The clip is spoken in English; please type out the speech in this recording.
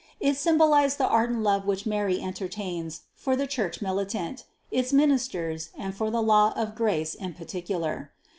It symbolized the ardent love which Mary entertains for the Church militant, its ministers, and for the law of grace in particular.